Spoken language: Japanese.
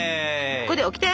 ここでオキテ。